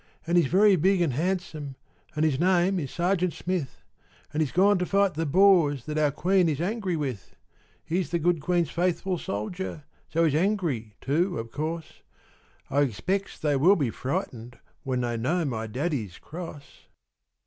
An' he's very big an' handsome, An' his name is Sergeant Smith, An' he's gone to fight the Boers That our Queen is angry with. He's the good Queen's faithful soldier, So he's angry, too, of course I expects they will be frightened When they know my daddy's cross!